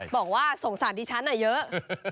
บอกว่าสงสารดิฉันเยอะ